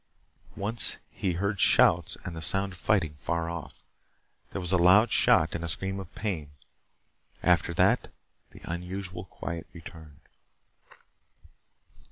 Once he heard shouts and the sound of fighting far off. There was a loud shot and a scream of pain. After that, the unusual quiet returned.